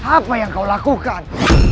apa yang kau lakukan